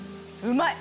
うまい！